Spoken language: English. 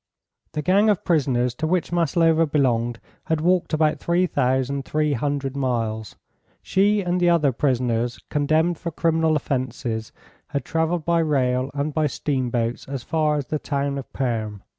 The gang of prisoners to which Maslova belonged had walked about three thousand three hundred miles. She and the other prisoners condemned for criminal offences had travelled by rail and by steamboats as far as the town of Perm.